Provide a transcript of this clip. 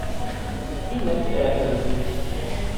Wie nett er errötet.